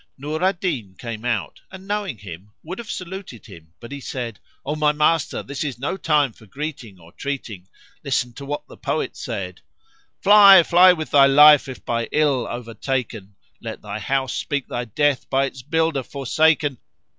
Nur al Din came out and knowing him would have saluted him: but he said, "O my master this is no time for greeting or treating. Listen to what the poet said, 'Fly, fly with thy life if by ill overtaken! Let thy house speak thy death by its builder forsaken!